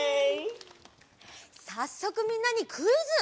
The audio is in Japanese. さっそくみんなにクイズ！